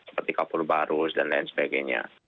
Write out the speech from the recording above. seperti kapur barus dan lain sebagainya